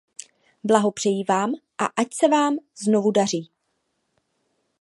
Blahopřeji vám a ať se vám znovu daří.